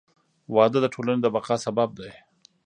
• واده د ټولنې د بقا سبب دی.